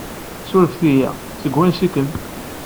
Surefet-iyi, seg wansi-ken?